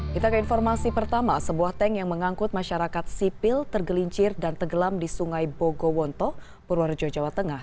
kita ke informasi pertama sebuah tank yang mengangkut masyarakat sipil tergelincir dan tenggelam di sungai bogowonto purworejo jawa tengah